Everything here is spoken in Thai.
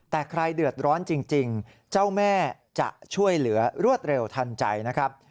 แต่ใครเดือดร้อนจริงเจ้าแม่จะช่วยเหลือรวดเร็วทันใจนะครับ